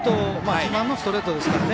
自慢のストレートですからね。